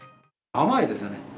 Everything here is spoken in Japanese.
甘いですよね、